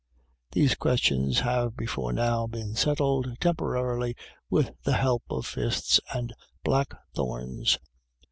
These questions have before now been settled, temporarily, with the help of fists and blackthorns.